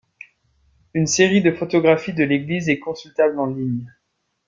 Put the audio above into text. Une série de photographies de l'église est consultable en ligne.